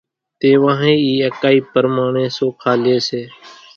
تيوانۿين اِي اڪائي پرماڻي سوکا لي سي۔